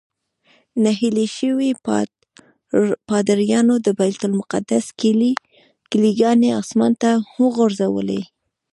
نهیلي شویو پادریانو د بیت المقدس کیلي ګانې اسمان ته وغورځولې.